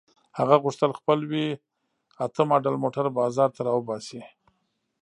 هغه غوښتل خپل وي اته ماډل موټر بازار ته را وباسي.